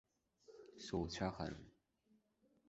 Соуцәахарым!